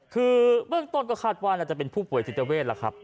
คือเบื้องต้นก็คาดว่าน่าจะเป็นผู้ป่วยจิตเวทล่ะครับ